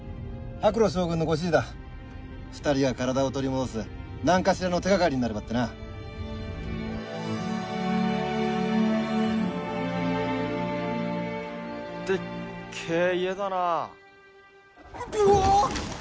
ハクロ将軍のご指示だ２人が体を取り戻す何かしらの手がかりになればってなでっけえ家だなうおっ！